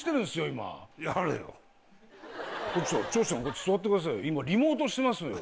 今リモートしてますよ。